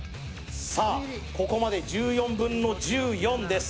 ここまで１４分の１４です。